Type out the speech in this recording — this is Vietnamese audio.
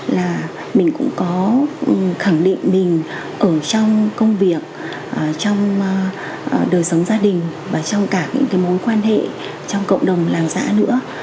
là mình cũng có khẳng định mình ở trong công việc trong đời sống gia đình và trong cả những cái mối quan hệ trong cộng đồng làng xã nữa